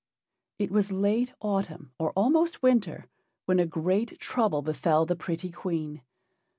It was late autumn, or almost winter, when a great trouble befell the pretty Queen.